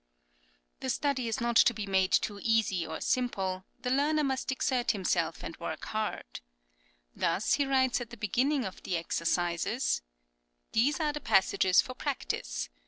(p.57, cf. 121.) The study is not to be made too easy or simple; the learner must exert himself and work hard. Thus he writes at the beginning of the exercises (p. 90): "These are the passages for practice.